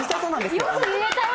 良く言えたよ